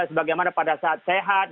sebagaimana pada saat sehat